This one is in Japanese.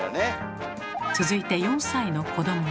続いて４歳の子どもは。